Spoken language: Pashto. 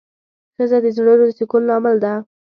ښځه د زړونو د سکون لامل ده.